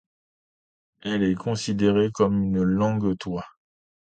Elle est considérée comme une langue-toit.